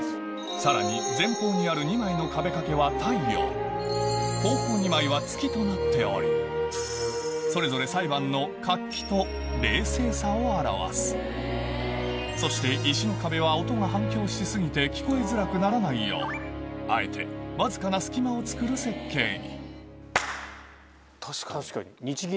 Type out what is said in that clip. さらに前方にある２枚の壁掛けは太陽後方２枚は月となっておりそれぞれ裁判の活気と冷静さを表すそして石の壁は音が反響し過ぎて聞こえづらくならないようあえてわずかな隙間をつくる設計に確かに。